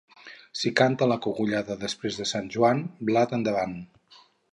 Si canta la cogullada després de Sant Joan, blat endavant.